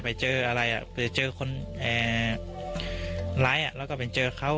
ไปเจออะไรไปเจอคนร้ายแล้วก็ไปเจอเขา